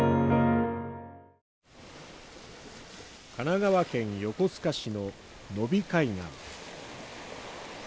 神奈川県横須賀市の野比海岸。